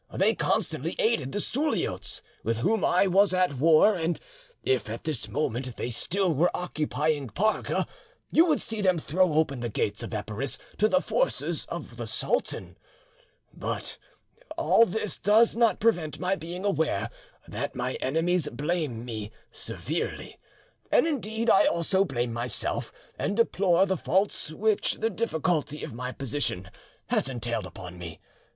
They constantly aided the Suliotes with whom I was at war; and if at this moment they still were occupying Parga, you would see them throw open the gates of Epirus to the forces of the sultan. But all this does not prevent my being aware that my enemies blame me severely, and indeed I also blame myself, and deplore the faults which the difficulty of my position has entailed upon me.